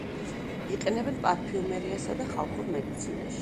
იყენებენ პარფიუმერიასა და ხალხურ მედიცინაში.